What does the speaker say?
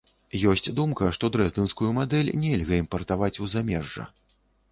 Ёсць думка, што дрэздэнскую мадэль нельга імпартаваць у замежжа.